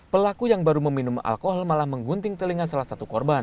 pelaku yang baru meminum alkohol malah menggunting telinga salah satu korban